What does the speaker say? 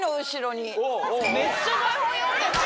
めっちゃ台本読んでて。